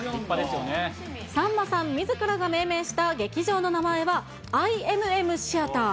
さんまさんみずからが命名した劇場の名前は、ＩＭＭシアター。